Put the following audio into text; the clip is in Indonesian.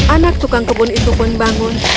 anak tukang kebun itu pun bangun